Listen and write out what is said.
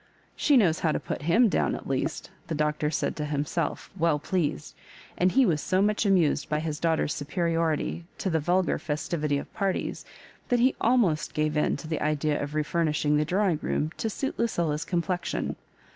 *' She knows how to put him down at least," the Doctor said to himself weU pleased ; and he was so much amused by his daughter's superiority to the vulgar festivity of parties, that he almost gave in to the idea of refurnishing the drawing room to suit LucUla's complexion.